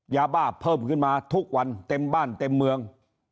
ยาบ้าเพิ่มขึ้นมาทุกวันเต็มบ้านเต็มเมือง